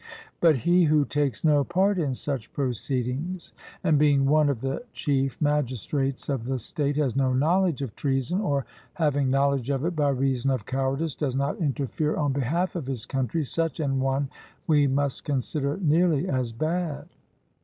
But he who takes no part in such proceedings, and, being one of the chief magistrates of the state, has no knowledge of treason, or, having knowledge of it, by reason of cowardice does not interfere on behalf of his country, such an one we must consider nearly as bad.